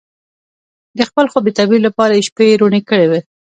د خپل خوب د تعبیر لپاره یې شپې روڼې کړې وې.